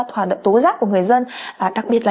hoạt động tố giác của người dân đặc biệt là